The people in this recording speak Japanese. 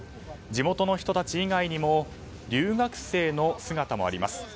地元の人たち以外にも留学生の姿もあります。